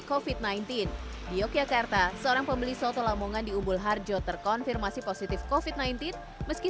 kofit sembilan belas di yogyakarta seorang pembeli soto lamongan di ubul harjo terkonfirmasi positif kofit sembilan belas meski